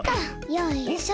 よいしょ。